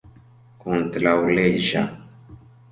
kontraŭleĝa